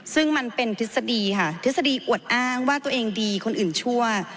ซึ่งมันเป็นทฤษฎีค่ะทฤษฎีอวดอ้างว่าตัวเองดีคนอื่นชั่ว